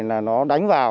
là nó đánh vào